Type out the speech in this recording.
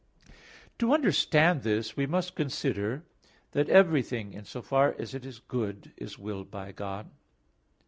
To understand this we must consider that everything, in so far as it is good, is willed by God.